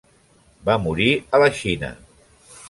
Va morir a la Xina.